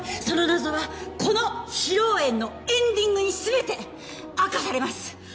その謎はこの披露宴のエンディングにすべて明かされます！